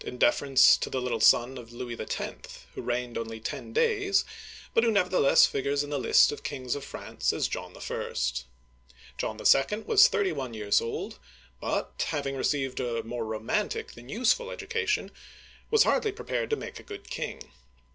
in deference to the little son of Louis X., who reigned only ten days, but who nevertheless figures in the list of kings of France as John I. John 11. was thirty one years old, but, hav ing received a more romantic than useful education, was hardly prepared to make a good king.